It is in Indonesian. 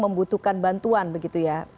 membutuhkan bantuan begitu ya